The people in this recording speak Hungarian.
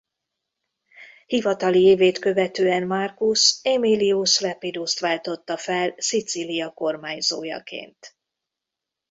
Hivatali évét követően Marcus Aemilius Lepidust váltotta fel Szicília kormányzójaként.